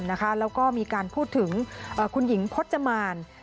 แล้วก็มีการพูดถึงคุณหญิงพจมาน